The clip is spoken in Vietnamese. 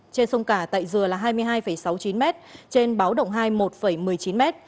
trên sông cả tại dừa là hai mươi hai sáu mươi chín m trên báo động hai một mươi chín m